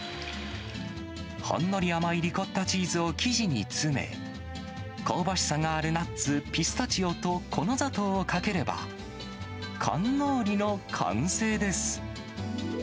ほんのり甘いリコッタチーズを生地に詰め、香ばしさがあるナッツ、ピスタチオと粉砂糖をかければ、カンノーリの完成です。